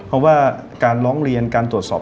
เพราะว่าการร้องเรียนการตรวจสอบ